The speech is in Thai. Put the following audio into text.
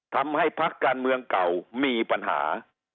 ทำให้พักการเมืองเก่ามีปัญหา